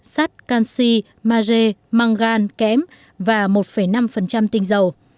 sắt canxi mage mangan kém và một năm tinh dầu